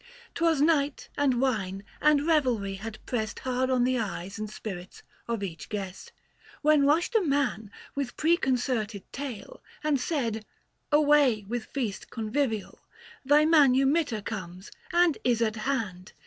'Twas night, and wine and revelry had pressed Hard on the eyes and spirits of each guest, When rushed a man, with preconcerted tale, 815 And said, ' Away with feast convivial ! Thy manumittor comes, and is at hand.'